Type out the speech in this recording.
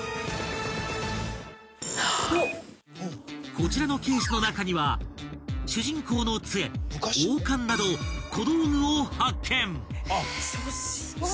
［こちらのケースの中には主人公の杖王冠など小道具を発見］